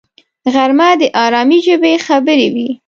غرمه د آرامي ژبې خبرې وي